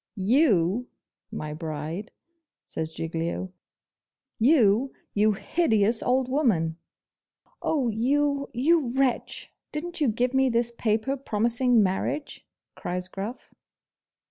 'YOU my bride!' says Giglio. 'You, you hideous old woman!' 'Oh, you you wretch! didn't you give me this paper promising marriage?' cries Gruff.